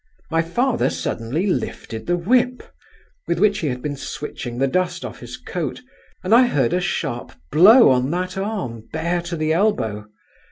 My father suddenly lifted the whip, with which he had been switching the dust off his coat, and I heard a sharp blow on that arm, bare to the elbow.